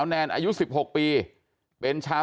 กลับไปลองกลับ